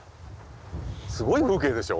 すごい風景でしょ？